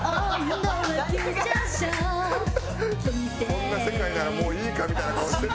こんな世界ならもういいかみたいな顔してる。